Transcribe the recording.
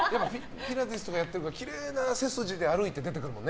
ピラティスとかやってるからきれいな背筋で出てくるよね。